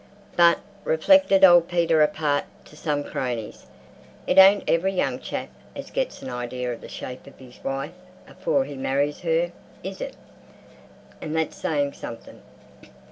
"But," reflected old Peter apart to some cronies, "it ain't every young chap as gits an idea of the shape of his wife afore he marries her—is it? An' that's sayin' somethin'."